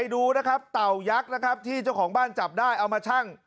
ดูนะครับเต่ายักษ์นะครับที่เจ้าของบ้านจับได้เอามาชั่ง